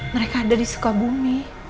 mereka ada di sekabumi